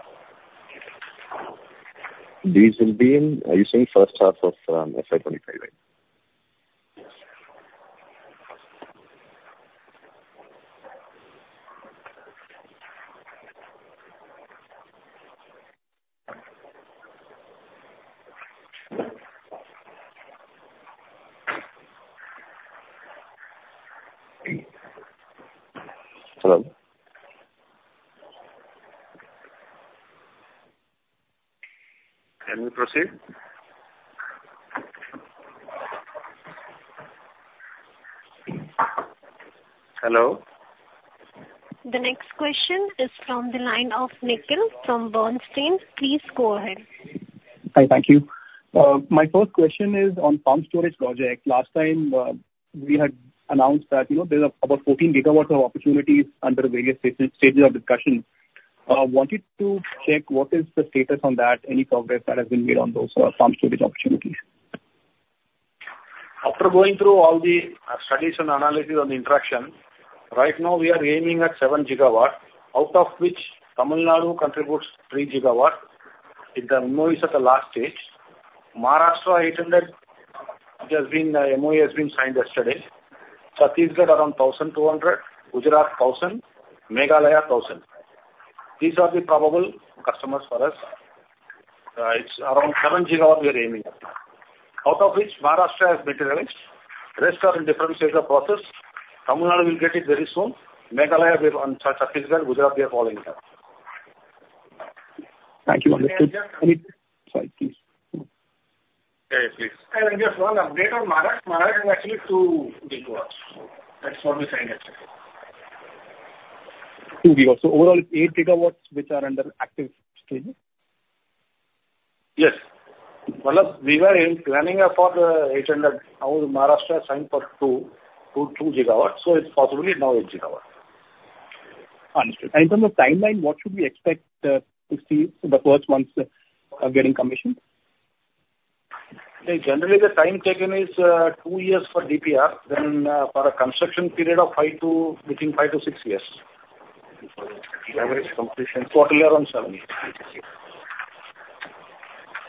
S11: These will be in, you see, first half of FY 25, right?
S3: Yes.
S11: Hello?...
S8: Can we proceed? Hello?
S1: The next question is from the line of Nikhil from Bernstein. Please go ahead.
S12: Hi, thank you. My first question is on pumped storage project. Last time, we had announced that, you know, there's about 14 GW of opportunities under various stages, stages of discussion. Wanted to check what is the status on that, any progress that has been made on those, pumped storage opportunities?
S8: After going through all the studies and analysis on the interaction, right now we are aiming at 7 gigawatts, out of which Tamil Nadu contributes 3 gigawatts. It's the MoUs at the last stage. Maharashtra, 800, which has been, MoU has been signed yesterday. Chhattisgarh, around 1,200; Gujarat, 1,000; Meghalaya, 1,000. These are the probable customers for us. It's around 7 gigawatts we are aiming at now. Out of which Maharashtra has materialized, rest are in different stages of process. Tamil Nadu will get it very soon. Meghalaya, and Chhattisgarh, Gujarat, they are following up.
S12: Thank you, understood.
S8: And just-
S12: Sorry, please.
S8: Yeah, please.
S13: Just one update on Maharashtra. Maharashtra is actually 2 gigawatts. That's what we signed yesterday.
S12: 2 GW. So overall, it's 8 GW which are under active stage?
S8: Yes. Well, we were planning for 800. Now, Maharashtra signed for 222 gigawatts, so it's possibly now 8 gigawatts.
S12: Understood. And in terms of timeline, what should we expect to see in the first months of getting commissioned?
S8: Generally, the time taken is two years for DPR, then for a construction period of five to six years. For the average completion, totally around seven years.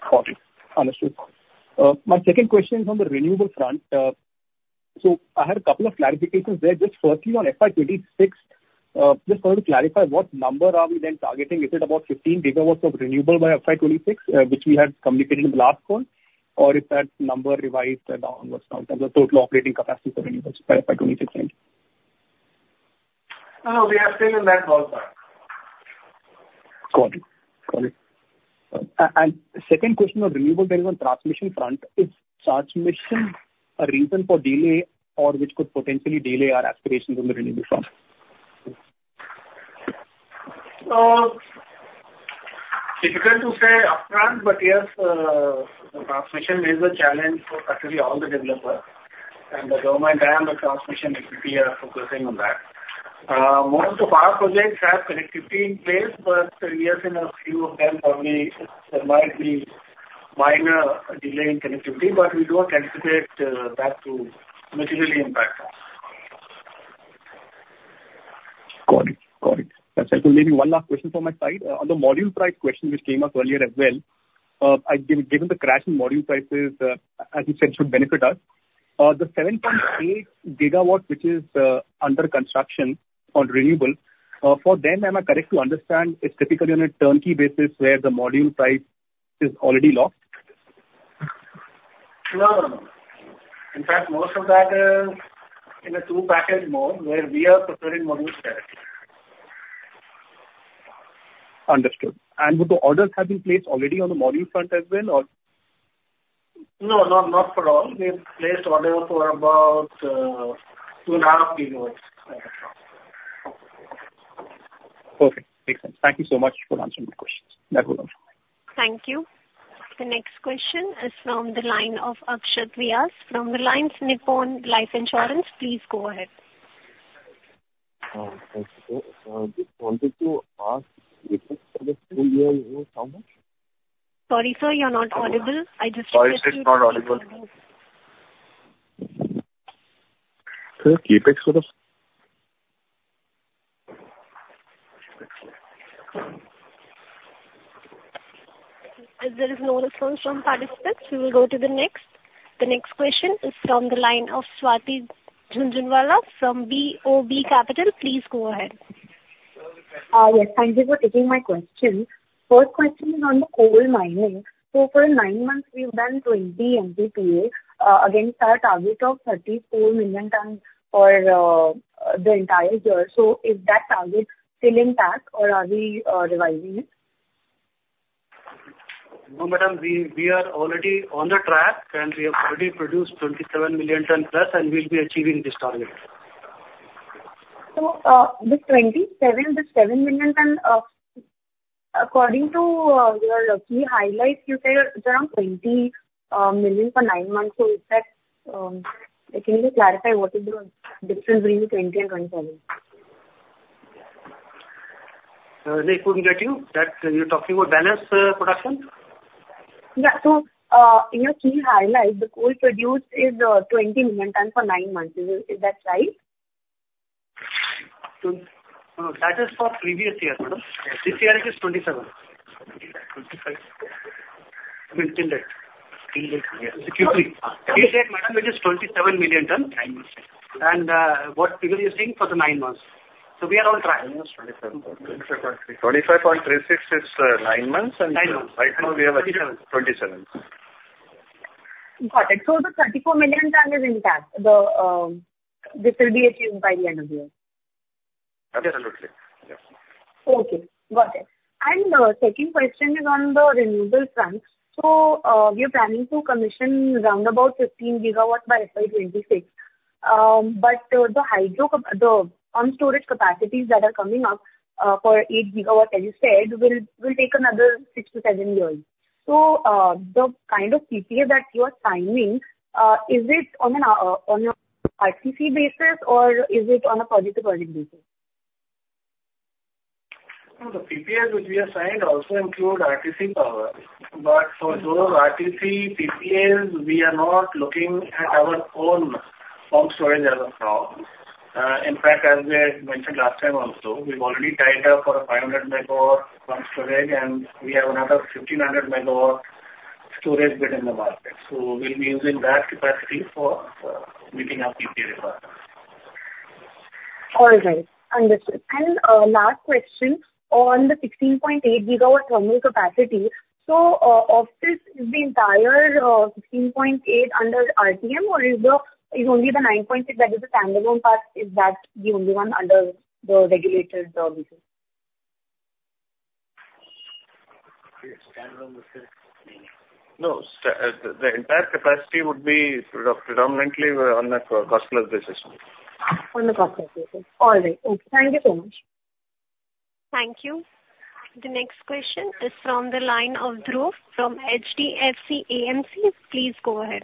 S12: Got it. Understood. My second question is on the renewable front. So I had a couple of clarifications there. Just firstly, on FY 2026, just wanted to clarify, what number are we then targeting? Is it about 15 GW of renewable by FY 2026, which we had communicated in the last call, or is that number revised downwards now, the total operating capacity for renewables by FY 2026 end?
S8: No, we are still in that ballpark.
S12: Got it. Got it. And second question on renewable generation transmission front. Is transmission a reason for delay or which could potentially delay our aspirations on the renewable front?
S8: Difficult to say upfront, but yes, the transmission is a challenge for actually all the developers. The government and the transmission equity are focusing on that. Most of our projects have connectivity in place, but yes, in a few of them, probably there might be minor delay in connectivity, but we don't anticipate that to materially impact us.
S12: Got it. Got it. That's helpful. Maybe one last question from my side. On the module price question, which came up earlier as well. I, given, given the crash in module prices, as you said, should benefit us. The 7.8 GW, which is under construction on renewable, for them, am I correct to understand it's typically on a turnkey basis where the module price is already locked?
S8: No, no, no. In fact, most of that is in a two-package mode, where we are procuring modules there.
S12: Understood. And would the orders have been placed already on the module front as well, or?
S8: No, not for all. We've placed orders for about 2.5 GW.
S12: Okay. Makes sense. Thank you so much for answering my questions. That was all.
S1: Thank you. The next question is from the line of Akshat Vyas from Reliance Nippon Life Insurance. Please go ahead.
S5: Thank you. So just wanted to ask,
S1: Sorry, sir, you're not audible. I just-
S12: Sorry, still not audible.
S5: Sir, CapEx for the...
S1: If there is no response from participants, we will go to the next. The next question is from the line of Swati Jhunjhunwala from BOB Capital. Please go ahead.
S14: Yes. Thank you for taking my question. First question is on the coal mining. So for nine months, we've done 20 MTPA against our target of 34 million tons for the entire year. So is that target still intact or are we revising it?
S13: No, madam, we are already on the track, and we have already produced 27 million tons plus, and we'll be achieving this target.
S14: So, this 27, this 7 million ton, according to your key highlights, you said around 20 million for nine months. So is that... Can you clarify what is the difference between 20 and 27?
S13: I couldn't get you. That you're talking about balance production?
S14: Yeah. So, in your key highlights, the coal produced is 20 million tons for nine months. Is that right?
S13: No, that is for previous year, madam. This year it is 27.
S8: Twenty-five.
S13: I mean, till date.
S8: Till date, yeah.
S13: This year, madam, it is 27 million tons.
S8: Nine months.
S13: And, what we were using for the nine months. So we are on track.
S8: Nine months, 27. 25.36
S5: 25.36 is nine months.
S13: I know.
S5: Right now we have achieved 27....
S14: Got it. So the 34 million ton is in CAP, this will be achieved by the end of the year?
S3: Absolutely. Yes.
S14: Okay, got it. And, second question is on the renewable front. So, we are planning to commission around about 15 GW by FY 2026. But the hydro pumped storage capacities that are coming up, for 8 GW, as you said, will take another six to seven years. So, the kind of PPA that you are signing, is it on a RTC basis or is it on a project to project basis?
S3: No, the PPAs which we have signed also include RTC power. But for those RTC PPAs, we are not looking at our own on storage as of now. In fact, as we had mentioned last time also, we've already tied up for a 500 MW on storage, and we have another 1,500 MW storage bid in the market. So we'll be using that capacity for meeting our PPA requirements.
S14: All right. Understood. And, last question. On the 16.8 GW terminal capacity, so, of this, is the entire 16.8 under RTC, or is only the 9.6 that is the standalone part, is that the only one under the regulated basis?
S3: No, the entire capacity would be predominantly on a cost plus basis.
S14: On the cost plus basis. All right. Okay, thank you so much.
S1: Thank you. The next question is from the line of Dhruv from HDFC AMC. Please go ahead.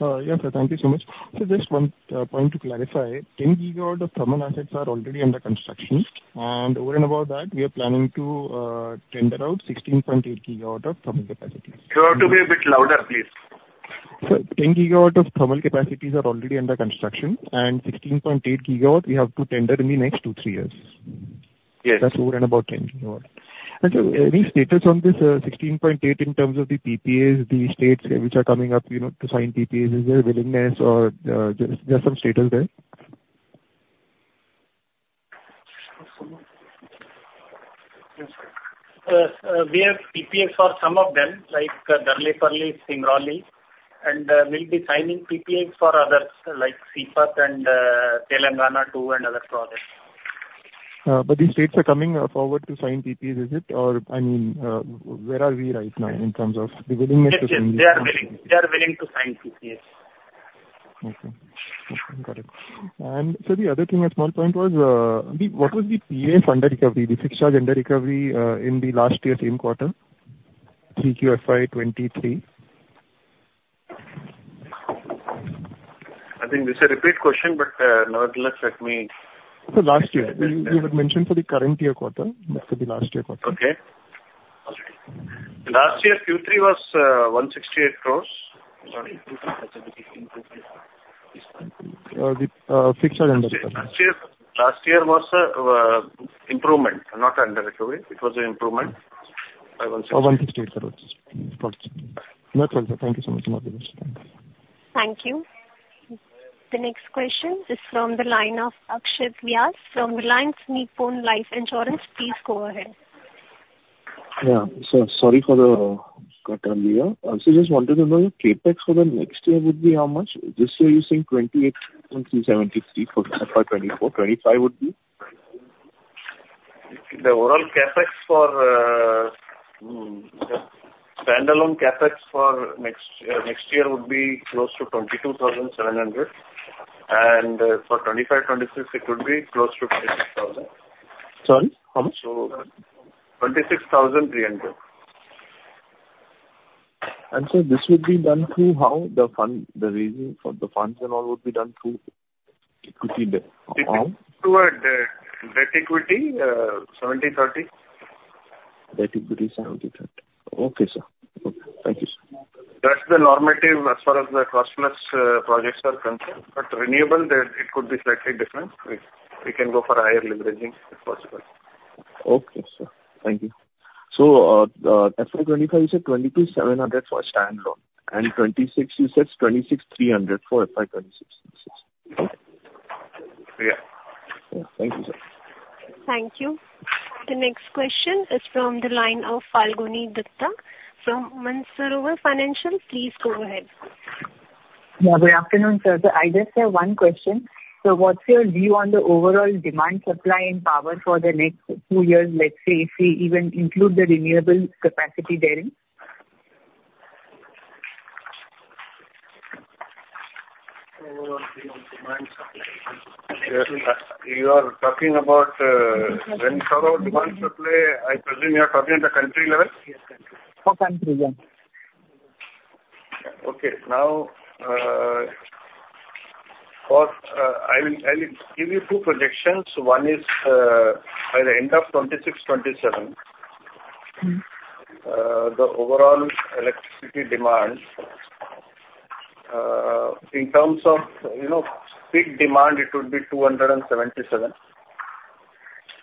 S15: Yeah, sir, thank you so much. So just one point to clarify: 10 GW of thermal assets are already under construction, and over and above that, we are planning to tender out 16.8 GW of thermal capacity.
S3: You have to be a bit louder, please.
S15: Sir, 10 gigawatts of thermal capacities are already under construction, and 16.8 gigawatts we have to tender in the next two to three years.
S3: Yes.
S15: That's over and about 10 GW. And so any status on this, 16.8 in terms of the PPAs, the states which are coming up, you know, to sign PPAs, is there a willingness or, just some status there?
S3: We have PPAs for some of them, like Darlipali, Patratu, Singrauli, and we'll be signing PPAs for others, like Sipat and Telangana Two and other projects.
S15: But these states are coming forward to sign PPAs, is it? Or I mean, where are we right now in terms of the willingness to sign?
S3: Yes, yes, they are willing. They are willing to sign PPAs.
S15: Okay. Got it. And so the other thing, a small point was, what was the PAF under recovery, the fixed charge under recovery, in the last year same quarter, QQFY 23?
S3: I think this is a repeat question, but, nonetheless, let me-
S15: So last year. You had mentioned for the current year quarter, not for the last year quarter.
S3: Okay. Last year, Q3 was 168 crore. Sorry?
S15: The fixed under recovery.
S3: Last year was improvement, not under-recovery. It was an improvement by 168.
S15: Oh, INR 168 crore. Got it. No, it's all right. Thank you so much.
S1: Thank you. The next question is from the line of Akshay Vyas from Reliance Nippon Life Insurance. Please go ahead.
S5: Yeah. So sorry for the cut earlier. I just wanted to know, your CapEx for the next year would be how much? This year, you're saying 28.3760 for FY 2024. 2025 would be?
S3: The overall CapEx for the standalone CapEx for next year would be close to 22,700, and for 2025 to 26, it would be close to 26,000.
S5: Sorry, how much?
S3: 26,300.
S5: And so this would be done through how the fund, the raising for the funds and all would be done through equity debt?
S3: Through debt/equity 70/30.
S5: Debt/equity, 70/30. Okay, sir. Okay. Thank you, sir.
S3: That's the normative as far as the cost plus projects are concerned, but renewable, it could be slightly different. We, we can go for higher leveraging if possible.
S5: Okay, sir. Thank you. So, FY 2025, you said 2,270 for standalone, and 2026, you said 2,630 for FY 2026.
S3: Yeah.
S5: Thank you, sir.
S1: Thank you. The next question is from the line of Falguni Dutta from Mansarovar Financial. Please go ahead.
S14: Yeah, good afternoon, sir. I just have one question. What's your view on the overall demand, supply, and power for the next two years, let's say, if we even include the renewable capacity therein?
S3: Overall demand and supply. You are talking about, when sort of demand, supply, I presume you are talking at the country level?
S14: For country, yeah.
S3: Okay, now, I will give you two projections. One is, by the end of 2026 to 2027
S14: Mm-hmm.
S3: The overall electricity demand, in terms of, you know, peak demand, it would be 277.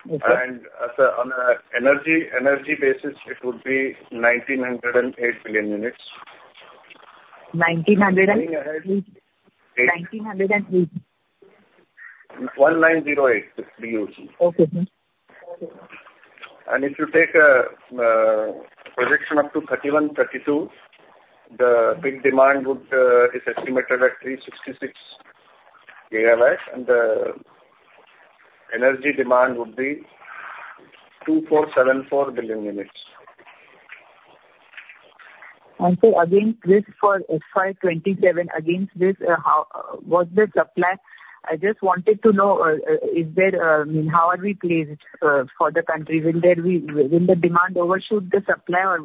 S14: Okay.
S3: On an energy basis, it would be 1,908 billion units.
S14: 1900 and?
S3: Eight.
S14: 1908....
S3: 1908, BUs.
S16: Okay, sir.
S3: If you take projection up to 31, 32, the peak demand would is estimated at 366 GW, and the energy demand would be 2,474 billion units.
S16: And so again, this for FY 2027, against this, how was the supply. I just wanted to know, is there, I mean, how are we placed for the country? Will there be will the demand overshoot the supply or?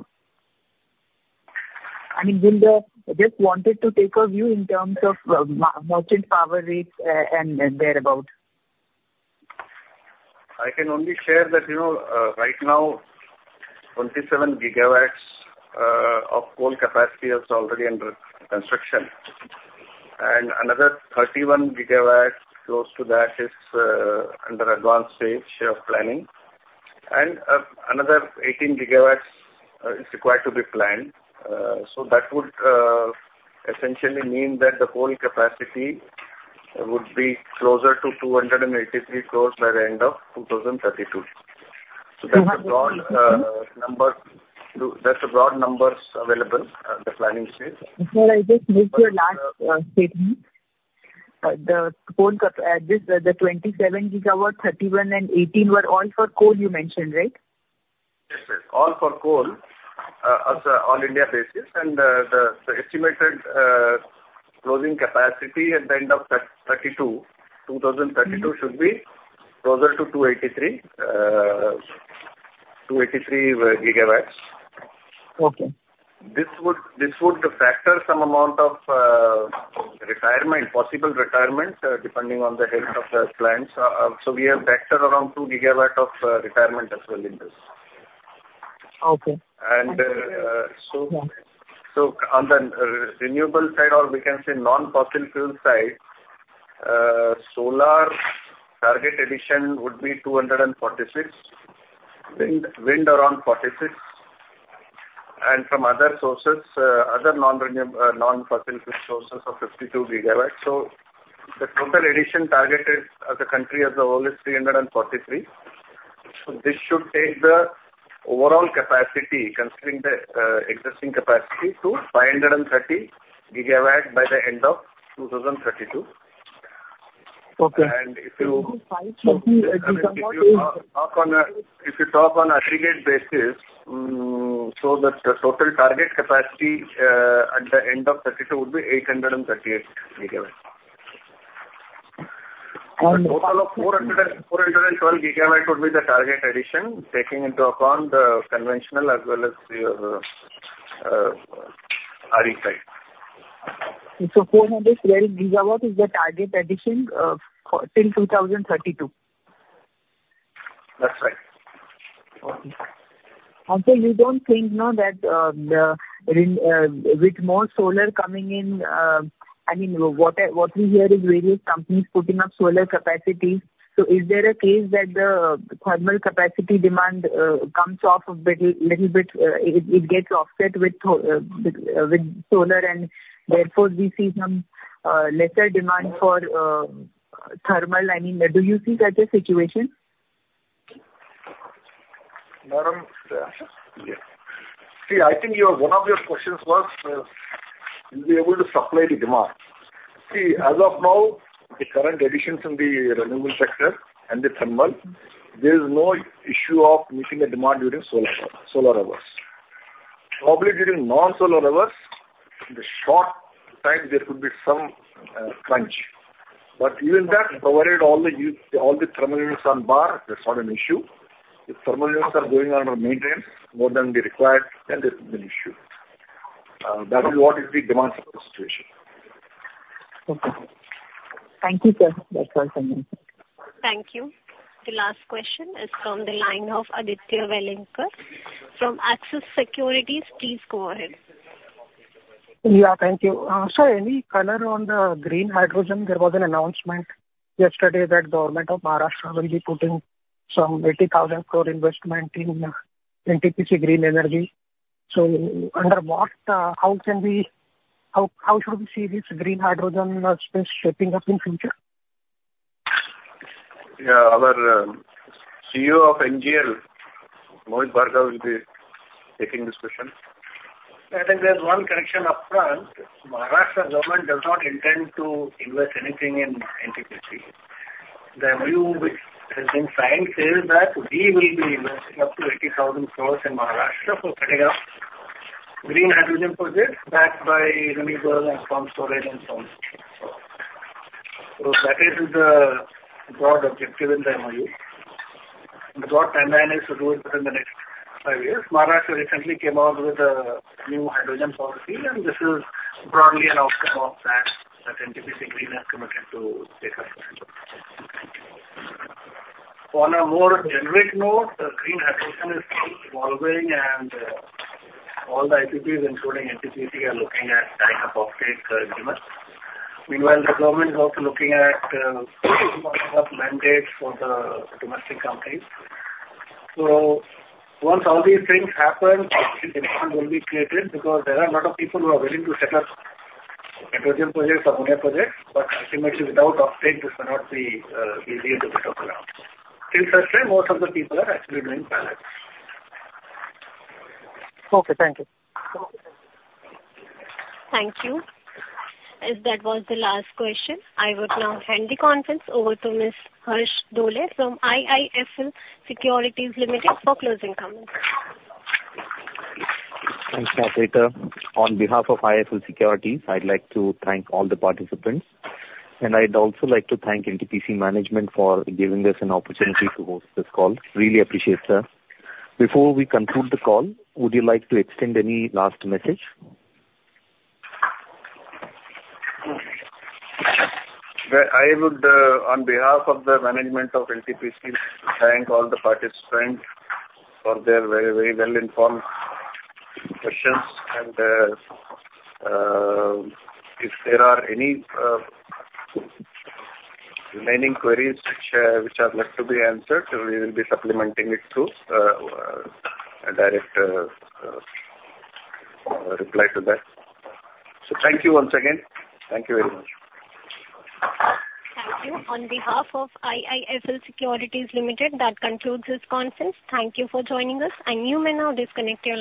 S16: I mean, will the I just wanted to take a view in terms of, merchant power rates, and thereabout.
S3: I can only share that, you know, right now, 27 GW of coal capacity is already under construction, and another 31 GW, close to that, is under advanced stage of planning, and another 18 GW is required to be planned. So that would essentially mean that the whole capacity would be closer to 283 crore by the end of 2032. So that's the broad number. That's the broad numbers available at the planning stage.
S16: Sir, I just missed your last statement. This, the 27 GW, 31 and 18 were all for coal you mentioned, right?
S3: Yes, yes. All for coal, as an all-India basis, and the estimated closing capacity at the end of 32, 2032 should be closer to 283, 283 GW.
S16: Okay.
S3: This would factor some amount of retirement, possible retirement, depending on the health of the plants. So we have factored around 2 gigawatt of retirement as well in this.
S16: Okay.
S3: And, so-
S16: Yeah.
S3: On the renewable side, or we can say, non-fossil fuel side, solar target addition would be 246, wind around 46, and from other sources, other non-renew, non-fossil fuel sources of 52 gigawatts. The total addition targeted as a country as a whole is 343. This should take the overall capacity, considering the existing capacity, to 530 gigawatt by the end of 2032.
S16: Okay.
S3: And if you-
S16: 530
S3: If you talk on aggregate basis, so the total target capacity at the end of 2032 would be 838 GW.
S16: And-
S3: Total of 412 gigawatt would be the target addition, taking into account the conventional as well as the RE side.
S16: So 412 GW is the target addition, for till 2032?
S3: That's right.
S16: Okay. So you don't think now that with more solar coming in, I mean, what we hear is various companies putting up solar capacities. So is there a case that the thermal capacity demand comes off a little bit, it gets offset with that, with solar, and therefore we see some lesser demand for thermal? I mean, do you see that the situation?...
S3: Yeah. See, I think one of your questions was, will we able to supply the demand? See, as of now, the current additions in the renewable sector and the thermal, there is no issue of meeting the demand during solar, solar hours. Probably, during non-solar hours, in the short time, there could be some crunch. But even that, provided all the thermal units on bar, that's not an issue. If thermal units are going under maintenance, more than the required, then there is an issue. That is what is the demand for the situation.
S16: Okay. Thank you, sir. That's all from me.
S1: Thank you. The last question is from the line of Aditya Welekar from Axis Securities. Please go ahead.
S17: Yeah, thank you. Sir, any color on the green hydrogen? There was an announcement yesterday that Government of Maharashtra will be putting some 80,000 crore investment in NTPC Green Energy. So under what, how can we... How should we see this green hydrogen space shaping up in future?
S3: Yeah, our CEO of NGEL, Mohit Bhargava, will be taking this question.
S8: I think there's one correction up front. Maharashtra government does not intend to invest anything in NTPC. The MOU which has been signed says that we will be investing up to INR 80,000 crore in Maharashtra for setting up green hydrogen projects backed by renewable and firm storage and so on. So that is the broad objective in the MOU, and the broad timeline is to do it within the next five years. Maharashtra recently came out with a new hydrogen policy, and this is broadly an outcome of that, that NTPC Green has committed to take up. On a more generic note, the green hydrogen is still evolving, and all the IPPs, including NTPC, are looking at kind of off-take demand. Meanwhile, the government is also looking at mandates for the domestic companies. So once all these things happen, demand will be created because there are a lot of people who are willing to set up hydrogen projects or similar projects, but ultimately, without off-take, this cannot be easily developed. Till such time, most of the people are actually doing pilots.
S17: Okay, thank you.
S1: Thank you. As that was the last question, I would now hand the conference over to Mr. Harsh Dole from IIFL Securities Limited for closing comments.
S16: Thanks, Operator. On behalf of IIFL Securities, I'd like to thank all the participants, and I'd also like to thank NTPC management for giving us an opportunity to host this call. Really appreciate, sir. Before we conclude the call, would you like to extend any last message?
S3: Well, I would, on behalf of the management of NTPC, like to thank all the participants for their very, very well-informed questions. And if there are any remaining queries which are left to be answered, we will be supplementing it through a direct reply to that. So thank you once again. Thank you very much.
S1: Thank you. On behalf of IIFL Securities Limited, that concludes this conference. Thank you for joining us, and you may now disconnect your lines.